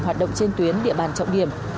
hoạt động trên tuyến địa bàn trọng điểm